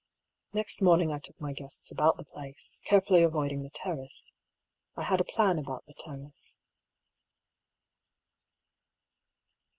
Next morning I took my guests about the place ; carefully avoiding the terrace. I had a plan about the terrace.